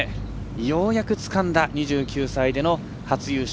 ようやくつかんだ２９歳での初優勝。